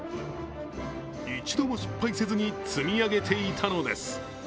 一度も失敗せずに積み上げていたのです。